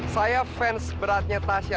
saya fans beratnya tasya